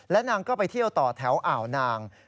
นางก็ไปเที่ยวต่อแถวอ่าวนาง